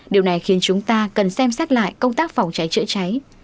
điều này khiến chúng ta cần xem xét lại công tác phòng cháy chữa cháy